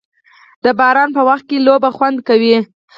د باران په وخت کې لوبه خوند کوي.